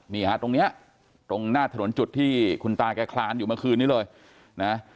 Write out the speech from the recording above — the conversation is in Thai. นี่ฮะตรงเนี้ยตรงหน้าถนนจุดที่คุณตาแกคลานอยู่เมื่อคืนนี้เลยนะ